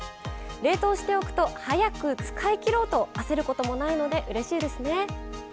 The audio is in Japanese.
冷凍しておくと早く使い切ろうと焦ることもないのでうれしいですね。